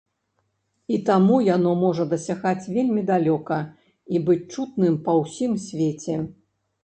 І таму яно можа дасягаць вельмі далёка і быць чутным па ўсім свеце.